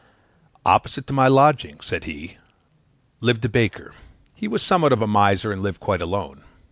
"Opposite to my lodging," said he, "lived a baker: he was somewhat of a miser, and lived quite alone.